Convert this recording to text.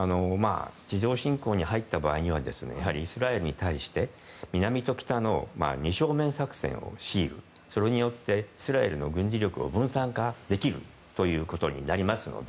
地上侵攻に入った場合にはイスラエルに対して南と北の二正面作戦を強いるそれによってイスラエルの軍事力を分散化できるということになりますので。